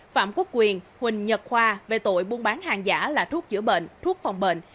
phạm quốc quyền huỳnh nhật khoa về tội buôn bán hàng giả là thuốc chữa bệnh thuốc phòng bệnh